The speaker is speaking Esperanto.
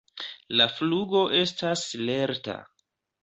La flugo estas lerta.